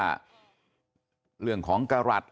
เรื่องของการโฆษณาว่าจะเขียนแผ่นดวงพิธีสวดพระพุทธมนตร์